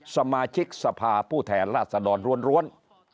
สมาชิกสภาผู้แทนราษดรล้วน